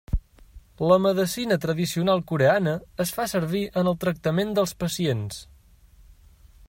La medicina tradicional coreana es fa servir en el tractament dels pacients.